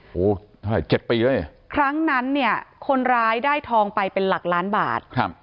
โอ้โหเท่าไหร่๗ปีแล้วเนี่ยครั้งนั้นเนี่ยคนร้ายได้ทองไปเป็นหลักล้านบาทครับ